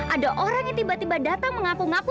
ada orang yang tiba tiba datang mengaku ngaku